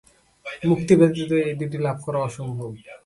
মুক্তি ব্যতীত এই দুইটি লাভ করা অসম্ভব।